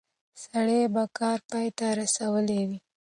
سړی به کار پای ته رسولی وي.